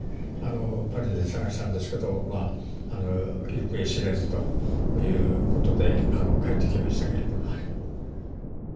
パリで探したんですけど行方知れずということで帰ってきましたけれども。